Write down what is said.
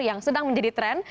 yang sedang menjadi tren